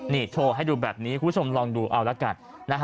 นี่โชว์ให้ดูแบบนี้คุณผู้ชมลองดูเอาละกัน